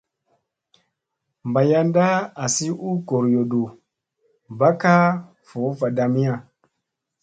Bayanda asi u gooyodu ba kaa voo vadamiya.